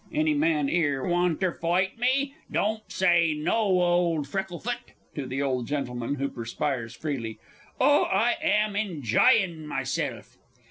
Any man 'ere wanter foight me? Don't say no, ole Frecklefoot! (To the O. G., who perspires freely.) "Oh, I am enj'yin' myself!"